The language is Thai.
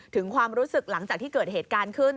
ถึงความรู้สึกหลังจากที่เกิดเหตุการณ์ขึ้น